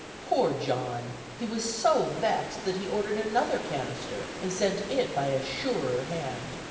Poor John! he was so vexed that he ordered another canister and sent it by a surer hand.